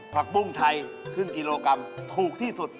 ปุ้งชัยครึ่งกิโลกรัมถูกที่สุด